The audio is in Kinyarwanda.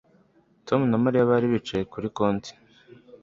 Tom na Mariya bari bicaye kuri konti